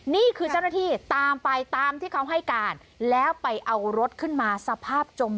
นี่คือเจ้าหน้าที่ตามไปตามที่เขาให้การแล้วไปเอารถขึ้นมาสภาพจม